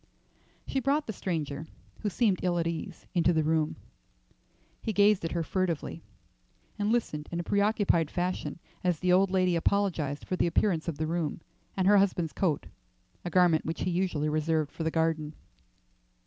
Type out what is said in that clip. She brought the stranger, who seemed ill at ease, into the room. He gazed at her furtively, and listened in a preoccupied fashion as the old lady apologized for the appearance of the room, and her husband's coat, a garment which he usually reserved for the garden.